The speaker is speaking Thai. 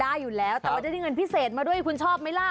ใกล้แล้วคุณชอบไหมล่ะ